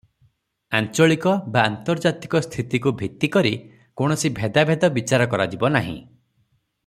ଆଞ୍ଚଳିକ ବା ଆନ୍ତର୍ଜାତିକ ସ୍ଥିତିକୁ ଭିତ୍ତି କରି କୌଣସି ଭେଦାଭେଦ ବିଚାର କରାଯିବ ନାହିଁ ।